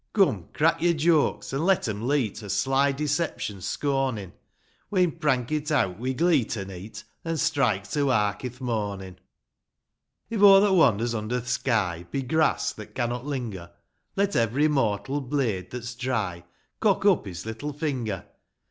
Come, crack yo'r jokes, an' let 'em leet, O' sly deception scornin' ; We'n prank it out wi' glee to neet. An' strike to wark i'th mornin'. IV. If o' that wanders under th' sky Be grass, that cannot linger, Let every mortal blade that's dry Cock up his httle finger.